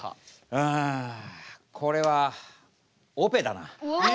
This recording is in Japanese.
うんこれはオペだな。